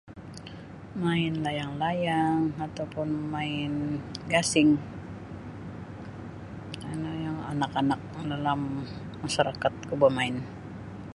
Main layang-layang ataupun main gasing um no yang anak-anak dalam masyarakat ku bamain.